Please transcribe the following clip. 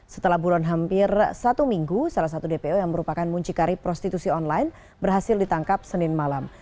setelah buron hampir satu minggu salah satu dpo yang merupakan muncikari prostitusi online berhasil ditangkap senin malam